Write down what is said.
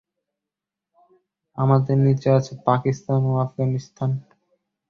আমাদের নিচে আছে পাকিস্তান ও আফগানিস্তান।